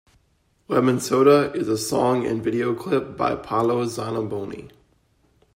Lemonsoda is a song and a video clip by Paolo Zanaboni.